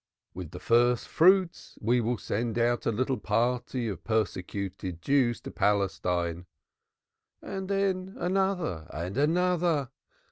With the first fruits we will send out a little party of persecuted Jews to Palestine; and then another; and another.